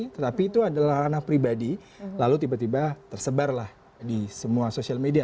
tetapi itu adalah ranah pribadi lalu tiba tiba tersebarlah di semua sosial media